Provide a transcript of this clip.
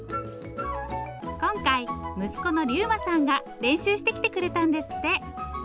今回息子の竜麻さんが練習してきてくれたんですって。